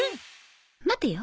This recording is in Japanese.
待てよ。